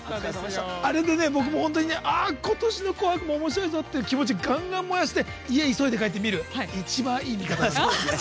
あれで今年の「紅白」もおもしろいぞっていう気持ちをがんがん燃やして家に帰って見るという一番いい見方です。